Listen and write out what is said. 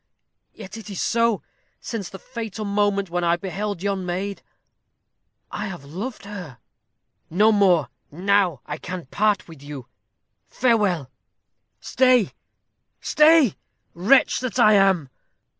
Yet so it is. Since the fatal moment when I beheld yon maid, I have loved her." "No more. Now I can part with you. Farewell!" "Stay, stay! wretch that I am.